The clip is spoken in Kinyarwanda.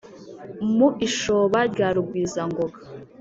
Mu ishoba rya Rugwizangoga